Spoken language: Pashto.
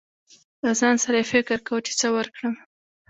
له ځان سره يې فکر کو، چې څه ورکړم.